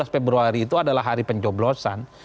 tujuh belas februari itu adalah hari pencoblosan